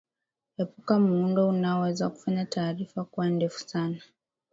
epuka muundo unaoweza kufanya taarifa kuwa ndefu sana